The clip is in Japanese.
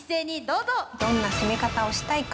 どんな攻め方をしたいか。